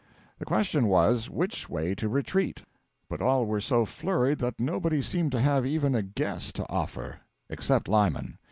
The question was, which way to retreat; but all were so flurried that nobody seemed to have even a guess to offer. Except Lyman.